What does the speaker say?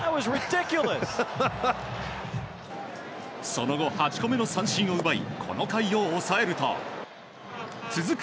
その後、８個目の三振を奪いこの回を抑えると続く